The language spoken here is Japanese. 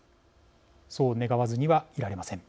そう願わずにはいられません。